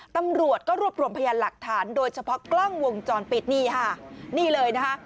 ตำรวจก็รวบรวมพยานหลักฐานโดยเฉพาะกล้องวงจรปิดนี่ค่ะนี่เลยนะคะ